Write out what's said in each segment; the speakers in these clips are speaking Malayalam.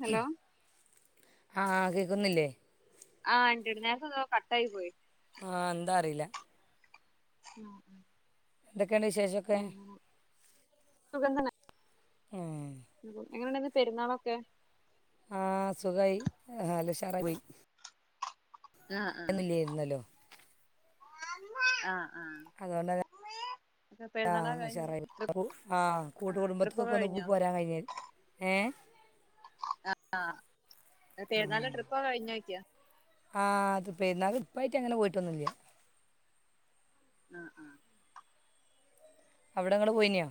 ഹലോ ആഹ് കേക്കുന്നില്ലേ ആഹ് ണ്ട് നേരത്തെതോ കട്ടായി പോയി ആഹ് ന്താറിയില്ല [inaudible] ന്തൊക്കെണ്ട് വിശേഷോക്കെ സുഖം തന്നെ ആഹ് സുഖം എങ്ങനെണ്ടയ്ര്ന്ന് പെരുന്നാളൊക്കെ? ആഹ് സുഗായി ല്ല ഉഷാറായി പോയി ആഹ് ട്ടന്നല്ല്യായിരുന്നല്ലോ അമ്മ ആഹ് ആഹ് അതോണ്ടതാ അപ്പൊ ആഹ് പെരുന്നാളൊക്കെ കഴിഞ്ഞ് ഉഷാറായി ട്രിപ്പ് ഉഹ് ആഹ് കൂട്ട് ട്രിപ്പൊക്കെ കുടുംബത്ത്‌ക്കൊന്ന് കഴിഞ്ഞോ വരാൻ കഴിഞ്ഞ് ഏഹ് ആഹ് പേര്ന്നാള്ന്റെ ട്രിപ്പാക്കെ കഴിഞ്ഞോക്ക്യ ആഹ് ട്രി പെരുന്നാക്ക് ഇപ്പായിട്ട് അങ്ങനെ പോയിട്ടൊന്നുല്ല്യാ ആഹ് ആഹ് അവിടെ ങ്ങള് പോയിന്യാ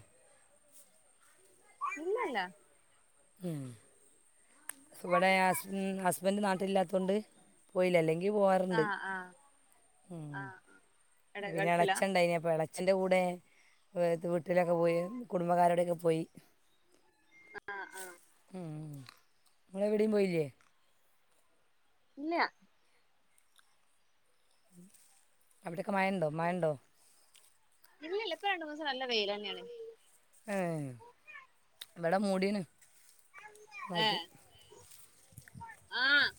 ഇല്ലല്ല ഉം സ് ഇവിടെ ഹസ് മ് ഹസ്ബെന്റ് നാട്ടില്ലില്ലാത്തൊണ്ട് പോയില്ല അല്ലെങ്കി പോവാറുണ്ട് ആഹ് ആഹ് മ്മ് ആഹ് എടെ പിന്നെ ഗൾഫിലാ ഇളച്ഛനുണ്ടായ്നെ അപ്പൊ എള അച്ഛൻ്റെ കൂടെ വീട്ടിലൊക്കെ പോയി കുടുംബക്കാരുടെയൊക്കെ പോയി ആഹ് ആഹ് മ് നിങ്ങളെവിടേം പോയില്ലേ? ഇല്ല അവിടയക്കെ മഴ ഉണ്ടോ മ ഉണ്ടോ ഇല്ല ഇല്ല ഇപ്പൊ രണ്ടു ദസം നല്ല വെയിൽ തന്നെയാണ് ആഹ് ഇബ്ടെ മൂടീന്ന് ഏഹ് ആഹ്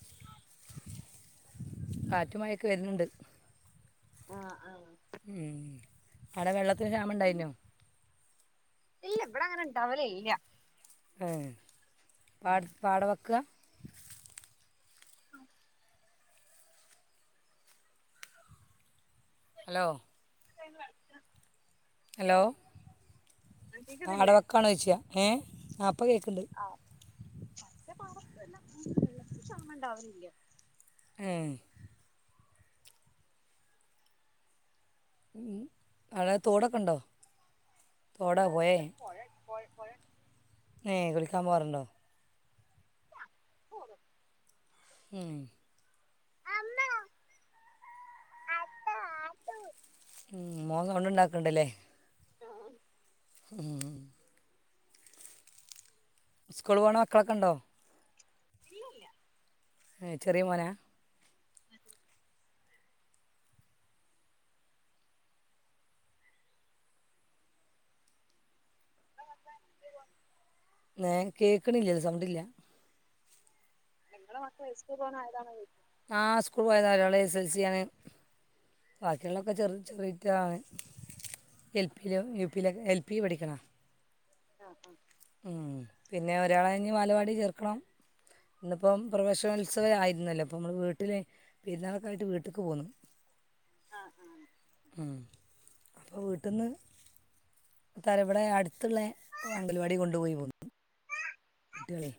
കാറ്റുമായൊക്കെ വരുന്നുണ്ട് ആഹ് ആഹ് ഉം അവിടെ വെള്ളത്തിന് ക്ഷാമം ഉണ്ടായിരുന്നോ ഇല്ല ഇവിടെ അങ്ങനെ ഉണ്ടവലില്ല ഏഹ് പാട് പാടവക്ക ഹലോ [unintelligible] ഹലോ പാട കേക്ക്ന്നില്ലേ വെക്കാണ് ചോച്ചിയ ഏഹ് ഇപ്പം കേൾക്കുന്നുണ്ട് [unintelligible] ഏഹ് ഉം അഴെ തോടൊക്കെ ഉണ്ടോ തോടാ ഇവടെ പോയേ അടുത്ത് പോയണ്ട് പേ പോയണ്ട ഏഹ് കുളിക്കാൻ പോവാറുണ്ടോ തോന്നും ഉം ഉം മോൻ സൗണ്ട് ഉണ്ടാക്കണ്ടല്ലേ ആഹ ഉം സ്കൂൾ പോണ മക്കളോക്ക ഉണ്ടോ ഇല്ല ഇല്ല. ഏഹ് ചെറിയ മോന അ [inaudible] ഞാൻ കേക്കണില്ല സൗണ്ടില്ല നിങ്ങളുടെ മക്കള [unintelligible] പോവനായതാണോ ചോയ്ക്ക ആഹ് സ്കൂൾ പോയത ഒരാള എസ് എൽ സിയ ആണ് ബാക്കിയുള്ളൊക്കെ ചെറ ചെറിയ ഇറ്റാണ് എൽ പിയില യു പിയില എൽ പി പഠിക്കണ ആഹ് ആഹ് ഉം പിന്നെ ഒരാൾ ഇഞ്ഞ് വാലവാടി ചേർക്കണം ഇന്നിപ്പം പ്രൊഫഷണ ഉത്സവയിരുന്നല്ലോ അപ്പം നമ്മൾ വീട്ടിൽ പെരുന്നാൾക്കായിട്ട് വീട്ടിക്ക് പോന്നു ആഹ് ആഹ് ഉം അപ്പോ വീട്ടിന്ന് താര ഇവിടെ അടുത്തുള്ള അങ്കൽവാടി കൊണ്ടുപോയി പോന്നു കുട്ട്യാളെ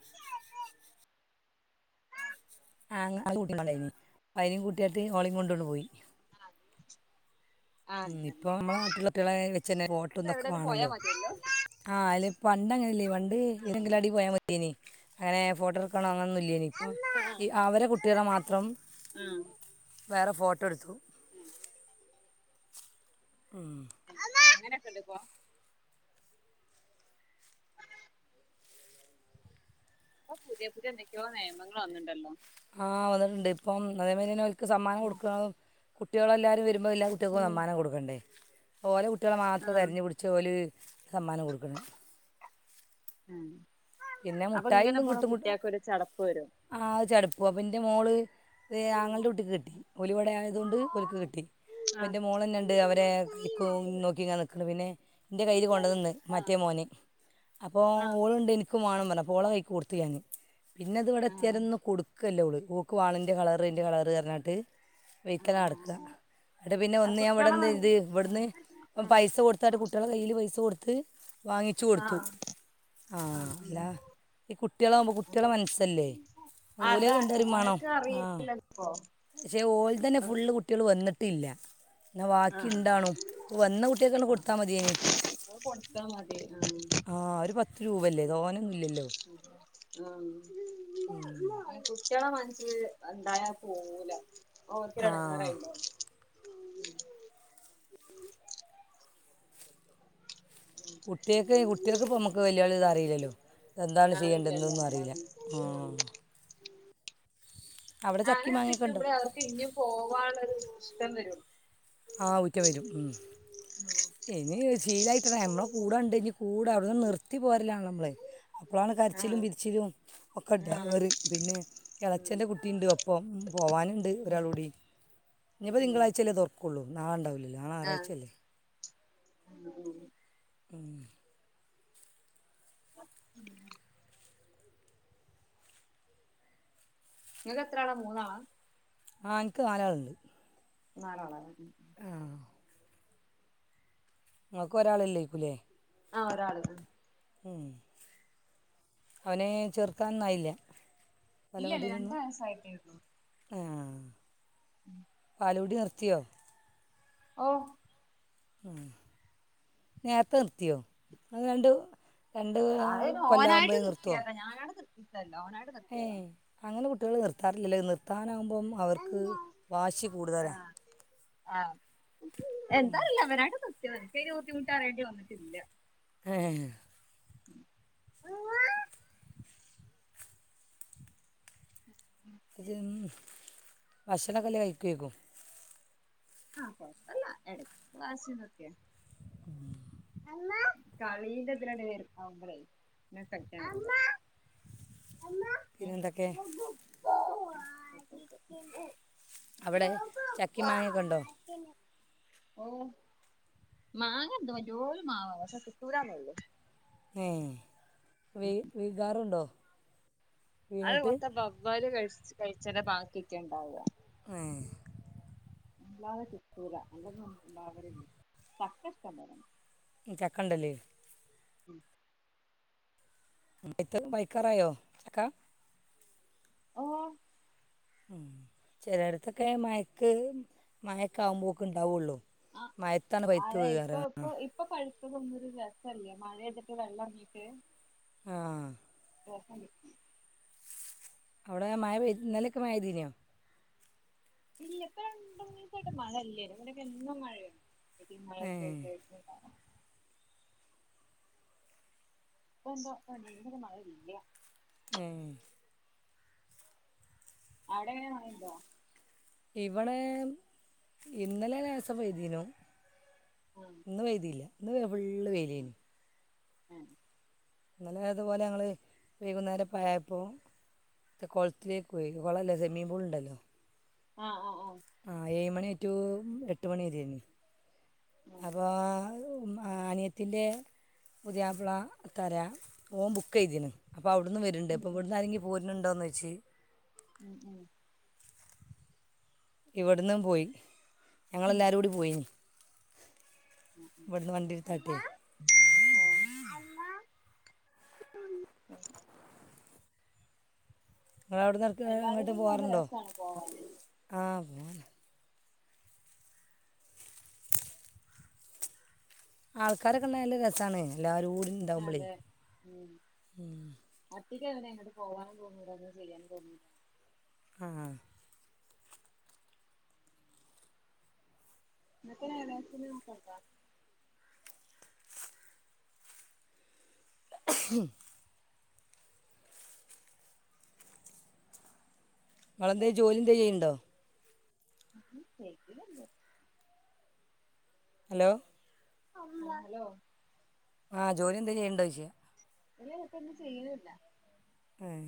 ആഹ് [unintelligible] അയ്നി കൂട്ടിയായിട്ട് ഓളി കൊണ്ടോണ്ട് പോയി ആഹ് ഇപ്പോൾ നമ്മളുടെ നാട്ടിലുള്ള പിളയെ വെച്ച് തന്നെ വോട്ടന്നൊക്കെ എവിടെലും പോയാ വേണല്ലോ മതിയല്ലോ ആഹ് അല്ല പണ്ട അങ്ങനെ ഇല്ലേ പണ്ട് ഏതെങ്കിലും അടി പോയാ മതിയേന അങ്ങനെ ഫോട്ടോ എടുക്കണോ അങ്ങന്നും ഇല്ലെനി ഇപ്പം ആ ഈ അവരെ കുട്ടികള മാത്രം വേറെ ഫോട്ടോ എടുത്തു ഉം അങ്ങനൊക്ക് ണ്ടോ ഇപ്പം അപ്പൊ പുതിയ പുതിയ എന്തൊക്കോ നിയമങ്ങൾ വന്നുണ്ടല്ലോ ആഹ് വന്നിട്ടുണ്ട് ഇപ്പം അതേ മതി തന്നെ ഒക്ക് സമ്മാനം കൊടുക്കുക കുട്ടികളെല്ലരും വരുമ്പോൾ എല്ലാരും കുട്ട്യാക്കും സമ്മാനം കൊട്ക്കണ്ടേ ഓലെ കുട്ട്യാളെ ആ മാത്രം തെര്ഞ്ഞ് പിടിച്ച് ഓല് സമ്മാനം കൊടുക്ക്ണ് ആഹ് പിന്നെ അപ്പൊങ്ങനെ പോണ കുട്ട്യാക്കൊരു ചടപ്പ് വരും ആഹ് ചടപ്പാ പ്പിന്റെ മോള് അത് ആങ്ങളന്റെ കുട്ടിക്ക് കിട്ടി ഓലിവടെ ആയതോണ്ട് ഓൽക്ക് കിട്ടി ആ പ്പോൻ്റെ മോളെന്നെ ണ്ട് അവരെ കൈക്കും നോക്കിങ്ങാനെ നിക്ക്ണ് പിന്നെ ന്റെ കയ്യില് കൊണ്ടന്ന് ആ മറ്റേ മോന് അപ്പോ ആ ഓള്ണ്ടേനി ഇക്കും വാണംന്നറഞ്ഞ് അപ്പൊ ഓളെ കയിക്ക് കൊടുത്തു ഞാൻ പിന്നെ ഇതിവടെ ഏത്യാരൊന്നും കൊടുക്കല്ല ഓള് ക്ക് വാണം ഇന്റെ കളറ് ഇൻ്റെ കളറ്ഞ്ഞാട്ട് ആ വെയ്ത്താലെ നടക്ക ആ ന്നട്ട് പിന്നെ ആ ഒന്ന് ഞാൻ കുട്ടികളെ മ ഇവിടെന്തെയ്ത് ആ ഇവിട്ന്ന് പ്പം പൈസ ആ കൊട്ത്താട്ട് കുട്ട്യാളെ കയ്യില് പൈസ കൊടു ത്ത് വാങ്ങിച്ചു ആ കൊടുത്തു ആ ആഹ് അല്ല ഈ കുട്ട്യാളാവുമ്പോ അപ്പൊ കുട്ട്യാളെ മനസ്സല്ലേ ഓലത് അതാണ് കണ്ടറിയുമ്മാണം അവർക്ക് അറിയില്ലപ്പോ ആഹ് ക്ഷെ ഓലതന്നെ അത് ഫുള്ള് കു ട്ട്യാള് വന്നിട്ടില്ല ഇന്നാ ആ വാക്കിണ്ടാണും അപ്പോ വന്ന കുട്ട്യാക്കങ്ങട്ട് ആ കൊട്ത്താ മതിയേനി അത് കൊടുത്താ മതി ആഹ് ആഹ് ഒരു പത്ത് രൂപല്ലേ തോനൊന്നും ഇല്ലല്ലോ ഉം. ആഹ് കുട്ട്യാളെ മനസ്സില് ഇണ്ടായാ പോവൂല ആ ഓൽക്കൊരെടങ്ങേറായിണ്ടാവും കുട്ട്യാക്ക് കുട്ട്യാക്ക് ഇപ്പൊ നമുക്ക് വല്യോലത് അറിയില്ലല്ലോ എന്താണ് ആളില്ലല്ലോ ചെയ്യണ്ടന്നൊന്നും അറിയീല ആഹ് അതാണ് അവിടെ ചക്കി അങ്ങനെ മാങ്ങയൊക്കെ ഉണ്ടോ കിട്ടുമ്പളേ അവർക്ക് ഇനിയും പോവാനുള്ളരിഷ്ടം വരൊള്ളൂ ആഹ് ഊറ്റം വരും ഉം ഇനി ശീലായിട്ടണം നമ്മളെ കൂടെണ്ടെങ്കി കൂടെ അവിടുന്ന് നിർത്തി പോരലാണല്ലൊ നമ്മള് അപ്പളാണ് ആ കരച്ചിലും പിരിച്ചിലും ഒക്കെ ആ ഇണ്ടാവാറ് പിന്നെ ഉം എളച്ചന്റെ കുട്ടിണ്ട് ഒപ്പം പോവാന്ണ്ട് ഉം ഒരാളൂടി ഇഞ്ഞിപ്പോ ഉം തിങ്കളാഴ്ചല്ലേ തുറ ക്കുള്ളൂ നാളണ്ടാവൂലല്ലോ നാളെ ആ ഞാറാഴ്ചല്ലേ ഉം ഉം ഉം ഇങ്ങക്കെത്രാളാ മൂന്നാളാ ആഹ് ഇൻക്ക് നാലാള്ണ്ട് നാലാളാലേ ഉം ഇങ്ങക്ക് ഒരാളൊല്ലേക്കും ല്ലേ ആഹ് ഒരാള് ആഹ് ഉം അവനെ ചേർത്താനൊന്നായില്ല ഇല്ലല്ല രണ്ട് വയസ്സായിട്ടേയുള്ളൂ ആഹ് ഉം പാലുകുടി നിർത്തിയോ ഓഹ് ഉം നേർത്തെ നിർത്തിയോ അത് രണ്ട് രണ്ട് അത് ഓനായിട്ട് കൊല്ലാവുമ്പോഴേ നിർത്തുമോ നിർത്യേതാ ഞാനാട് നിർത്തീക്കല്ല ഓനാട് ഏഹ് അങ്ങനെ കുട്ട്യാള് നിർത്താറില്ലല്ലോ നിർത്താനാമ്പം അവർക്ക് വാശി കൂടുതലാ ആഹ് എന്താറീല്ല ഇവനാണ്ട് നിർ ത്തിയെതാ ഇൻകയ്ന്റെ ബുദ്ധിമുട്ടറിയേണ്ടി വന്നിട്ടില്ല ഏഹ് [unintelligible] [unintelligible] ഭക്ഷണക്കെ എല്ലേ കഴിക്കേക്കും ആഹ് കൊഴപ്പല്ല ഇടക്ക് വാശിംതൊക്കെ കളീന്റെതിലണ്ട് ആവുമ്പളേ പിന്നെ കഴിക്കാൻ കിട്ടൂല [unintelligible] പിന്നെ എന്തൊക്കെ അവിടെ ചക്കിം മാങ്ങിം ഒക്കെ ഉണ്ടോ ഓഹ് മാങ്ങണ്ട് വല്ല്യോര് മാവാ പക്ഷെ കിട്ടൂലാന്നൊള്ളു ഏഹ് വി വികാറുണ്ടോ അഹ് ഒക്ക ബവ്വല് കഴിച് കഴിച്ചന്റെ ബാക്കിക്കെണ്ടാവ ഏഹ് ല്ലാതെ കിട്ടൂല [unintelligible] ചക്ക ഇഷ്ട്ടം പോലെണ്ട് ഉം ച്ചക്കണ്ട്ലേ ഉം [unintelligible] ബൈക്കാറായോ ഓ ഉം ചെലേടത്തൊക്കെ മയക്ക് മയക്കാവുമ്പോക് ണ്ടാവുള്ളു ആ മയത്താണ് പൈത് അതെ വികാർ ഇപ്പൊ ഇപ്പൊ ഇപ്പൊ പയുത്തതൊന്നും ഒരു രസല്ല മഴെയ്തിട്ട് വെള്ളംർങ്ങീട്ട് ആഹ് [unintelligible] അവിടെ മഴ പെയ് ഇന്നെലൊക്കെ മഴയ് തീഞ്ഞോ ഇല്ല ഇപ്പരണ്ടൂന്നീസായിട്ട് മഴല്ലേ ഇവിടെക്കെ എന്നും മഴയാണ് ഇ മഴൊക്കെ ഏഹ് ആയിട്ട് ഇണ്ടാവും പ്പന്തോ ങ്കര മഴ ഇല്ല ഉം അവിടെങ്ങനെ മഴണ്ടോ ഇവിടെ ഇന്നലെ ലേസവൈദീനും ഉം ഇന്ന് വേയ്തില്ല ഇന്ന് ഫുള്ള് ഉം വേയ്ലേനി ഉം ന്നെലെ അതുപോലെ ഞങ്ങൾ വൈകുന്നേരം പഴപ്പോ ത് കുളത്തിലേക്ക് പോയി കുളല്ല സെമി ബോൾ ണ്ടല്ലോ അഹ് അഹ് ആഹ് ആഹ് ഏഴ് മണി റ്റു എട്ട് മണി വരെഞ് ആഹ് അപ്പോ അനിയത്തിൻ്റെ പുതിയാ പ്ള തരാ ഓം ബുക്ക്യ്തിന് അപ്പോ അവിടുന്ന് വരുന്നുണ്ട് ഉം ഉം പ്പോവിടുന്ന് ആരെങ്കില് പോര്ണ്ടോന്നോയ്ച്ച് ഉം ഉം ഇവിടുന്ന് പോയി ഉം ഞങ്ങളെല്ലാവരും കൂടി പോയി വെട്ന്ന് വണ്ടിട് താട്ടേ അഹ് നിങ്ങളവിട്ന്ന് എല്ലാരും കൂടിണ്ടാഉമ്പ രസണ് പോവാന് ആഹ് ആൾക്കാരൊക്കെണ്ടായാല്ല രസണ് എല്ലരും കൂടി ഉണ്ടാവുമ്പോഴേ അതെ ഉം അധികങ്ങനെ അങ്ങട്ട് പോവാനും തോന്നൂല [unintelligible] ആഹ് [unintelligible] ഹും ങ്ങളെന്തേ ജോലിന്തെ ചെയ്യുണ്ടോ [unintelligible] ഹലോ ഹലോ ആഹ് ജോലി എന്താ ചെയ്യ്ണ്ടോയ്ച്ച ഇല്ല ഇപ്പൊന്നും ചെയ്യ്ണില്ല ഉം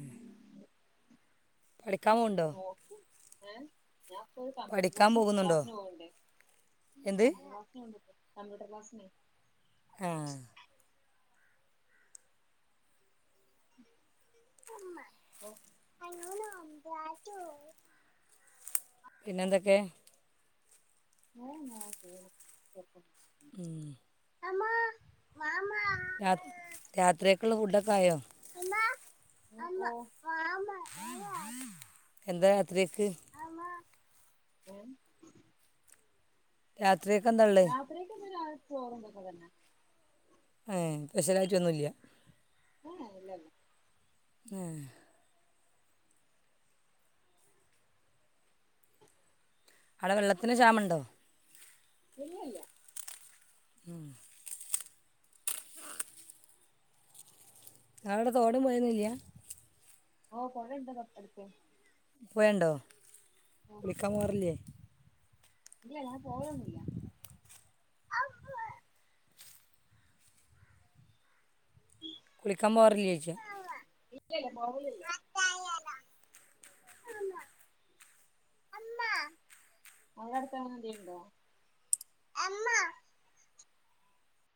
പഠിക്കാമ്പോവ്ണ്ടോ ഓക്കെ ഏഹ് ഞാൻപ്പോ ഒരു കമ്പ്യൂട്ടർ പഠിക്കാൻ ക്‌ളാസിന് പോകുന്നുണ്ടോ ക്ലാസ്സിന് പോവ്ണ്ട് എന്ത് കമ്പ്യൂട്ടർ ക്ലാസ്സിന് കമ്പ്യൂട്ടർ ക്ലാസ്സിന്. ആഹാ. [unintelligible] പിന്നെന്തൊക്കെ? [unintelligible] ഉം.. അമ്മാ വമാ. രാ രാത്രിക്കക്ക്ള്ള ഫുഡൊക്കെ ആയോ? അമ്മാ ആ വാ അമ്മ.. എന്താ രാത്രിക്ക്? [unintelligible] രാത്രിക്കക്ക് എന്താ ഉള്ളേ? രാത്രിക്കക്കെന്താ ചോറും, ഇതൊക്കെ തന്നെ. ഏ സ്പെഷ്യലായിട്ട് ഒന്നുല്ല്യ. ഏ ഇല്ലല്ലാ.. ഹേ.. അവിടെ വെള്ളത്തിന് ക്ഷാമമുണ്ടോ? ഇല്ലല്ല. ഉം.. ഇങ്ങളവിടെ തോടും പൊഴൊന്നുല്ല്യ? ഓ പൊഴണ്ട് അപ്പർത്ത്. പൊഴണ്ടോ ആ കുളിക്കാൻ പോവാറില്ലേ? ഇല്ല ഞാൻ പോവലൊന്നുല്ല. കുളിക്കാൻ പോവാറില്ലേന്ന് ചോയ്ക്കാ? ഇല്ലല്ല പോവലില്ല. അമ്മ, ഇങ്ങളട്ത്ത് അങ്ങനെ എന്തേലുണ്ടോ? അമ്മ..